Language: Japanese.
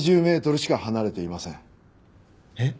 えっ？